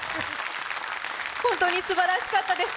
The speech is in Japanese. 本当にすばらしかったです。